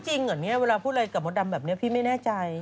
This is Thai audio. จริงเหรอเนี่ยเวลาพูดอะไรกับมดดำแบบนี้พี่ไม่แน่ใจ